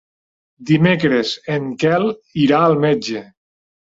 Dimecres en Quel irà al metge.